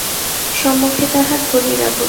সম্মুখে তাহার ধুনির আগুন।